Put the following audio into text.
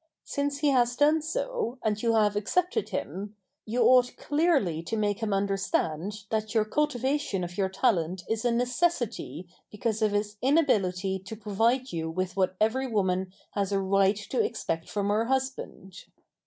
Since he has done so, and you have accepted him, you ought clearly to make him understand that your cultivation of your talent is a necessity because of his inability to provide you with what every woman has a right to expect from her husband.